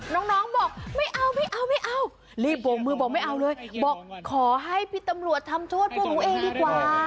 น้องบอกไม่เอารีบโปรงมือบอกไม่เอาเลยบอกขอให้พี่ตำรวจทำโทษพวกหนูเองดีกว่า